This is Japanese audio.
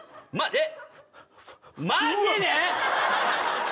えっ！